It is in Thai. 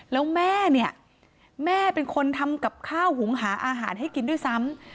แล้วแม่เนี่ยแม่เป็นคนทำกับข้าวหุงหาอาหารให้กินด้วยซ้ำ